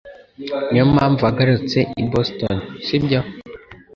Niyo mpamvu wagarutse i Boston, sibyo?